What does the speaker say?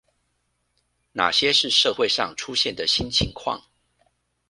那些是社會上出現的新情況？